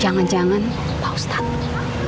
jangan jangan pak ustadz